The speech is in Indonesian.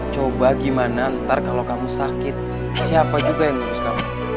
coba gimana ntar kalau kamu sakit siapa juga yang ngurus kamu